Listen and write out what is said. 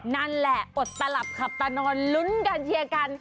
นั่นแหละอดตลับขับตานอนลุ้นกันเชียร์กัน